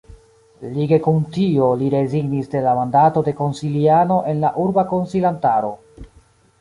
Lige kun tio li rezignis de la mandato de konsiliano en la Urba Konsilantaro.